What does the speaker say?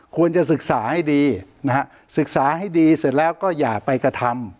ควรจะศึกษาให้ดีนะฮะศึกษาให้ดีเสร็จแล้วก็อย่าไปกระทำ